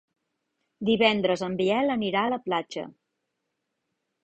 Divendres en Biel anirà a la platja.